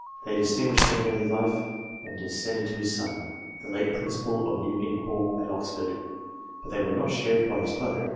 They distinguished him in early life and descended to his son, the late Principal of New Inn Hall, at Oxford, but they were not shared by his brother.